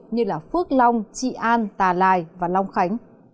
như phước long trị an tà lài và long khải